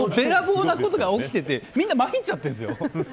べらぼうなことが起きて、みんなまいっちゃってるんですよ。